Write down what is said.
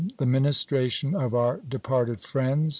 THE MINISTRATION OF OUR DEPARTED FRIENDS.